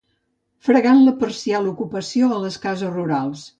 Fregant la parcial ocupació a les cases rurals.